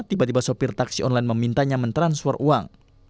tiba tiba sopir taksi online memintanya mentransfer uang